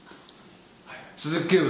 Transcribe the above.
鈴木警部。